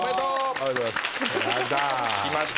ありがとうございますヤダきました